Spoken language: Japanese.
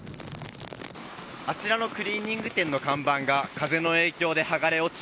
あちらのクリーニング店の看板が風の影響で剥がれ落ち